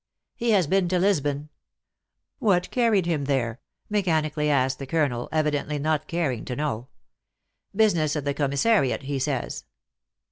" He has been to Lisbon." " What carried him there ?" mechanically asked the colonel, evidently not caring to know. " Business of the commissariat, he says."